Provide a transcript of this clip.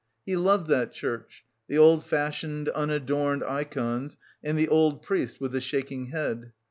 He loved that church, the old fashioned, unadorned ikons and the old priest with the shaking head.